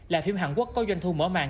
là phim hàn quốc có doanh thu mở màng